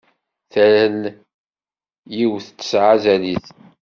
Tal yiwet tesɛa azal-is.